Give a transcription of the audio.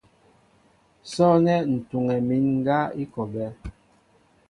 Sɔ̂nɛ́ ǹ tuŋɛ mín ŋgá i kɔ a bɛ́.